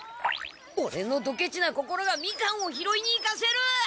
オレのドケチな心がみかんをひろいに行かせる！